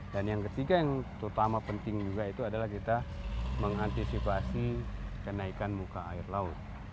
yang ketiga yang terutama penting juga itu adalah kita mengantisipasi kenaikan muka air laut